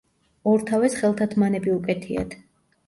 ორთავეს ხელთათმანები უკეთიათ.